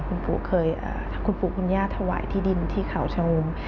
คุณผู้คือก็เคยคุณผู้คุณย่าถวายที่ดินที่เขาช่างหุ่ม